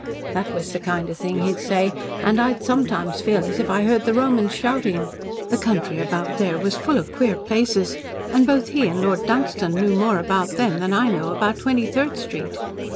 That was the kind of thing he'd say, and I'd sometimes feel as if I heard the Romans shouting. The country about there was full of queer places, and both he and Lord Dunstan knew more about them than I know about Twenty third Street."